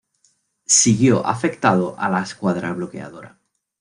Siguió afectado a la escuadra bloqueadora.